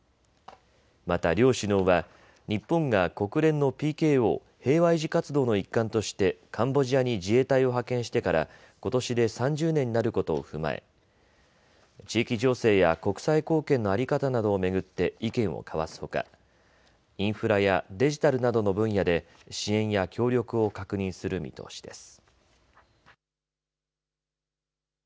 また両首脳は日本が国連のＰＫＯ・平和維持活動の一環としてカンボジアに自衛隊を派遣してから、ことしで３０年になることを踏まえ地域情勢や国際貢献の在り方などを巡って意見を交わすほかインフラやデジタルなどの分野で支援や協力を確認する見通しです。